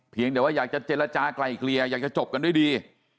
แต่ว่าอยากจะเจรจากลายเกลี่ยอยากจะจบกันด้วยดี